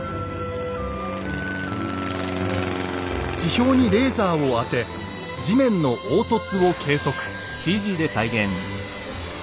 地表にレーザーを当て地面の凹凸を計測。